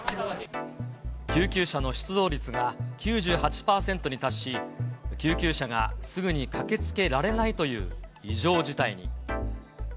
救急車の出動率が９８％に達し、救急車がすぐに駆けつけられないという異常事態に。